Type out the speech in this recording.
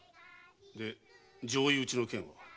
で上意討ちの件は？